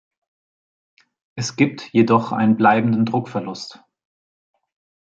Es gibt jedoch einen bleibenden Druckverlust.